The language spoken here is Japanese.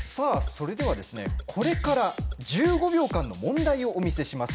これから１５秒間の問題をお見せします。